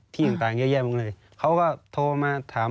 ที่ต่างเยอะแยะหมดเลยเขาก็โทรมาถาม